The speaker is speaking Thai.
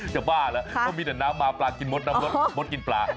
อย่าบ้าละต้องมีแต่น้ำมาปลากินมดน้ำลดมดกินปลา